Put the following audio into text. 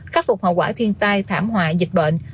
khắc phục hậu quả thiên tai thảm họa dịch bệnh